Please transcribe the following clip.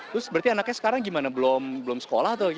terus berarti anaknya sekarang gimana belum sekolah atau gimana